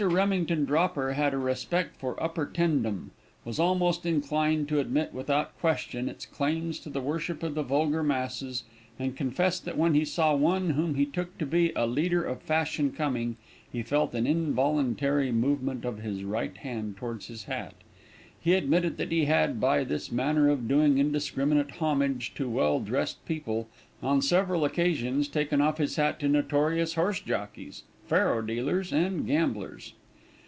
Remington Dropper had a great respect for upper tendom; was almost inclined to admit, without question, its claims to the worship of the vulgar masses, and confessed that when he saw one whom he took to be a leader of fashion coming, he felt an involuntary movement of his right hand towards his hat. He admitted that he had, by this manner of doing indiscriminate homage to well dressed people, on several occasions taken off his hat to notorious horse jockeys, faro dealers, and gamblers.